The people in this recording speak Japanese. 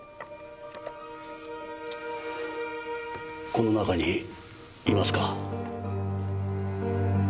この中にいますか？